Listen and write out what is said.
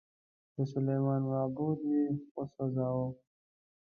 د سلیمان معبد یې وسوځاوه.